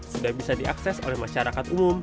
sudah bisa diakses oleh masyarakat umum